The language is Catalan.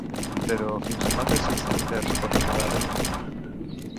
Però, fins a quantes extremitats pot arribar a tenir?